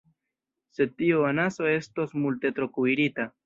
Sed tiu anaso estos multe tro kuirita!